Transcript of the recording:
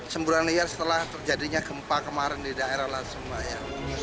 semburan liar setelah terjadinya gempa kemarin di daerah lasembah ya